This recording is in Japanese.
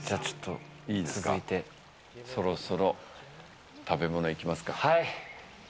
そろそろ食べ物行きますか。